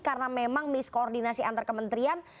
karena memang miskoordinasi antar kementerian